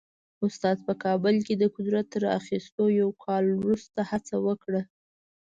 استاد په کابل کې د قدرت تر اخیستو یو کال وروسته هڅه وکړه.